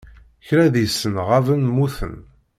Kra deg-sen ɣaben mmuten